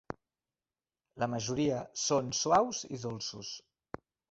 La majoria són suaus i dolços.